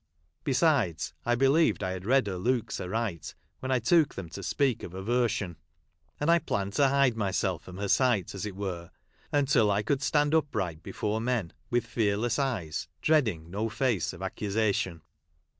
Ik sides, I believed I had read her looks aright, when I took them to speak of ion ; and I planned to hide myself from her sight, as it were, until I could stand up right before men, with fearless eyes, dreading no face of accusation.